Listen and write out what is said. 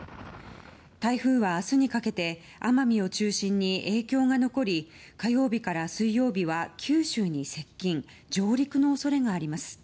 台風は明日にかけて奄美を中心に影響が残り火曜日から水曜日は九州に接近上陸の恐れがあります。